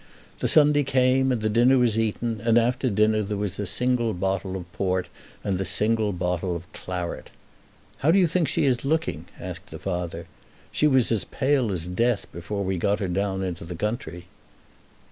The Sunday came and the dinner was eaten, and after dinner there was the single bottle of port and the single bottle of claret. "How do you think she is looking?" asked the father. "She was as pale as death before we got her down into the country."